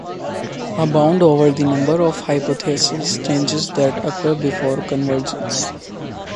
A bound over the number of hypothesis changes that occur before convergence.